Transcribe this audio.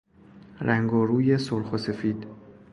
رنگ و روی سرخ و سفید